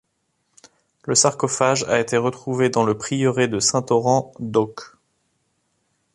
Le sarcophage a été retrouvé dans le prieuré de Saint-Orens d'Auch.